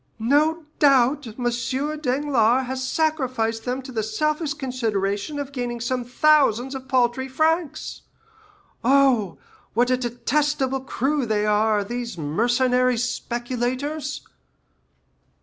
No doubt M. Danglars has sacrificed them to the selfish consideration of gaining some thousands of paltry francs. Oh, what a detestable crew they are, these mercenary speculators!"